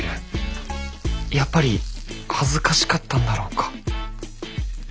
やっぱり恥ずかしかったんだろうか。